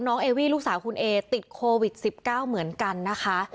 เอวี่ลูกสาวคุณเอติดโควิด๑๙เหมือนกันนะคะ